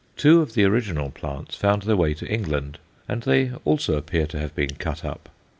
Two of the original plants found their way to England, and they also appear to have been cut up.